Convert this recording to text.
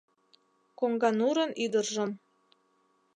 Коҥганурын ӱдыржым